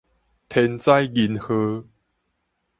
天災人禍